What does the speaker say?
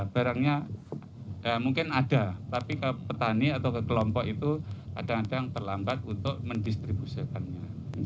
barangnya mungkin ada tapi ke petani atau ke kelompok itu kadang kadang terlambat untuk mendistribusikannya